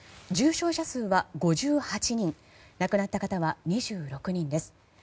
重症者数は５８人亡くなった方は２６人です。